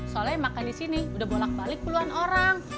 soalnya makan disini udah bolak balik puluhan orang